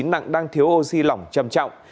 nặng đang thiếu oxy lỏng trầm trọng